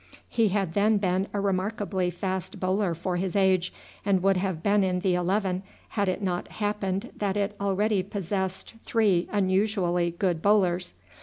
He had then been a remarkably fast bowler for his age, and would have been in the eleven had it not happened that it already possessed three unusually good bowlers.